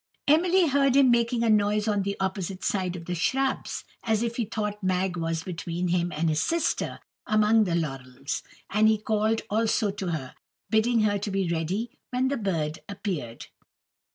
Emily heard him making a noise on the opposite side of the shrubs, as if he thought Mag was between him and his sister, among the laurels; and he called also to her, bidding her to be ready when the bird appeared.